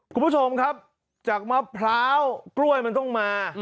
คุณผู้ชมครับจากมะพร้าวกล้วยมันต้องมา